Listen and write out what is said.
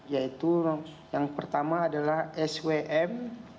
yaitu yang pertama adalah swm